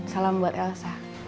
salam buat elsa